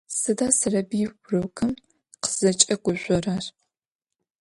Sıda Serebıy vurokım khızç'eguzjorer?